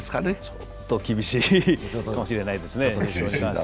ちょっと厳しいかもしれないですね。